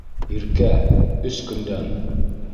Иркә, өс көндән!